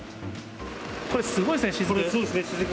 これ、すごいですね、しずく。